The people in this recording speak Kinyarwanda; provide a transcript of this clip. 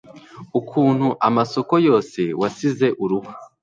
ukuntu amasoko yose wasize uruhu